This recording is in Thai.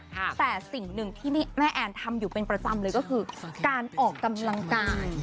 แต่สิ่งหนึ่งที่แม่แอนทำอยู่เป็นประจำเลยก็คือการออกกำลังกาย